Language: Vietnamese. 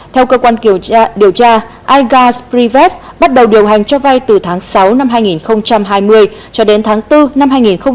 theo cơ quan điều tra igas privets bắt đầu điều hành cho vay từ tháng sáu năm hai nghìn hai mươi cho đến tháng bốn năm hai nghìn hai mươi ba